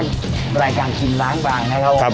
รายการกินล้างบางนะครับผม